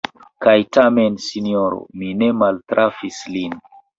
Kaj tamen, sinjoro, mi ne maltrafis lin.